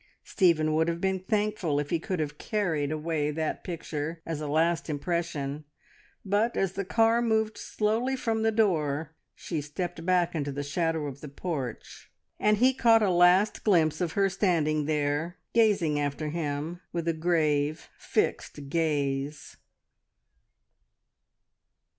Stephen would have been thankful if he could have carried away that picture as a last impression, but as the car moved slowly from the door, she stepped back into the shadow of the porch, and he caught a last glimpse of her standing there, gazing after him with a grave, fixed gaze.